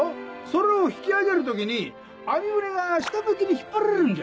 それを引き揚げる時に網船が下向きに引っ張られるんじゃ。